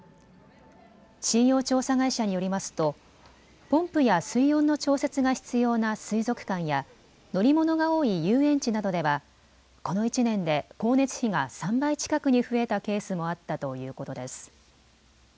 信用調査会社によりますとポンプや水温の調節が必要な水族館や乗り物が多い遊園地などでは、この１年で光熱費が３倍近くに増えたケースもあったということです。